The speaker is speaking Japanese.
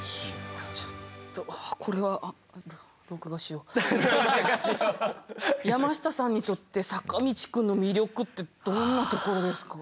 ちょっとあこれは山下さんにとって坂道くんの魅力ってどんなところですか？